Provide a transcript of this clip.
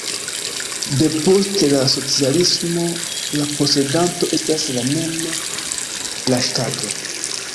Depost la socialismo la posedanto estas la mem la ŝtato.